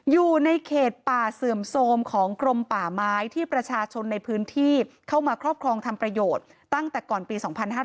อยู่ในเขตป่าเสื่อมโทรมของกรมป่าไม้ที่ประชาชนในพื้นที่เข้ามาครอบครองทำประโยชน์ตั้งแต่ก่อนปี๒๕๕๙